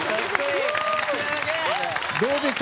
どうでした？